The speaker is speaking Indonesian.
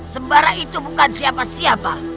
sembara itu bukan siapa siapa